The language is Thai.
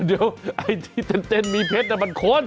เดี๋ยวไอ้ที่เต้นมีเพชรมันคน